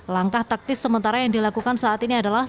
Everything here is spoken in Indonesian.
langkah taktis sementara yang dilakukan saat ini adalah